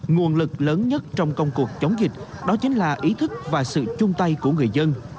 nguồn lực lớn nhất trong công cuộc chống dịch đó chính là ý thức và sự chung tay của người dân